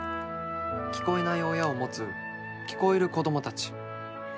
聞こえない親を持つ聞こえる子供たち。